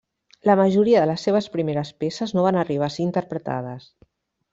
La majoria de les seves primeres peces no van arribar a ser interpretades.